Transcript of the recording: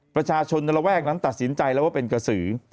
ประชาชนในระแวกนั้นตัดสินใจแล้วว่าเป็นกระสือ